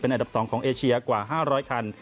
อันดับ๒ของเอเชียกว่า๕๐๐คัน